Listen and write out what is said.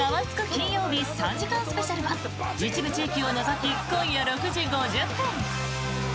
金曜日」３時間スペシャルは一部地域を除き今夜６時５０分。